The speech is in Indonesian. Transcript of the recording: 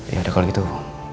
ya udah kalau gitu om